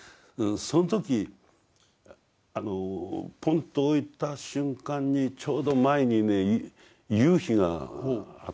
その時ポンと置いた瞬間にちょうど前にね夕日があった。